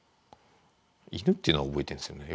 犬っていうのは覚えてるんですよね。